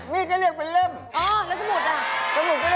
มีดก็เรียกเป็นเล่มอ๋อแล้วสมุดล่ะ